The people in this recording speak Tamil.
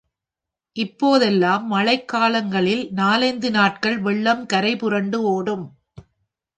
இப்போதெல்லாம் மழைக் காலங் களில் நாலைந்து நாட்கள் வெள்ளம் கரை புரண்டு ஒடும்.